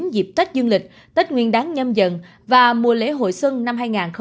dịp tết dương lịch tết nguyên đáng nhâm dần và mùa lễ hội xuân năm hai nghìn hai mươi